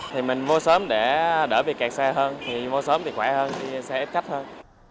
thì mình vô sớm để đỡ bị kẹt xe hơn thì vô sớm thì khỏe hơn xe ít khách hơn